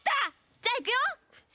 じゃあ、いくよ！